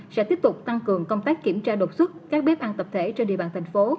sẽ tiếp tục tăng cường công tác kiểm tra đột xuất các bếp ăn tập thể trên địa bàn thành phố